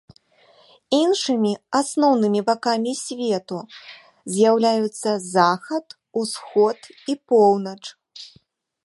Іншымі асноўнымі бакамі свету з'яўляюцца захад, усход і поўнач.